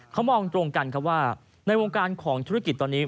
เขามองตรงกันครับว่าในวงการของธุรกิจตอนนี้